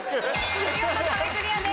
見事壁クリアです。